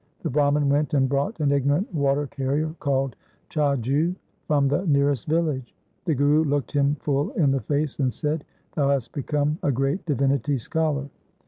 The Brahman went and brought an ignorant water carrier called Chhajju from the nearest village. The Guru looked him full in the face and said, ' Thou hast become a great divinity scholar.